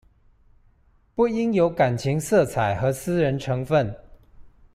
不應有感情色彩和私人成分